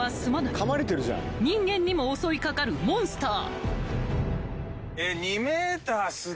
［人間にも襲い掛かるモンスター］